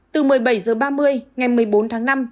từ một mươi bảy h ba mươi ngày một mươi bốn tháng năm